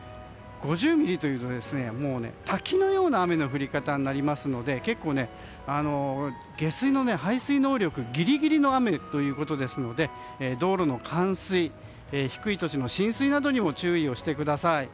５０ミリというと滝のような雨の降り方になりますので結構、下水の排水能力ギリギリの雨ですので道路の冠水や低い土地の浸水などにも注意をしてください。